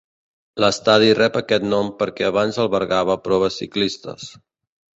L'estadi rep aquest nom perquè abans albergava proves ciclistes.